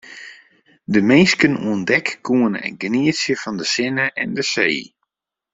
De minsken oan dek koene genietsje fan de sinne en de see.